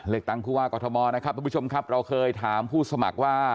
ตั้งผู้ว่ากอทมนะครับทุกผู้ชมครับเราเคยถามผู้สมัครว่า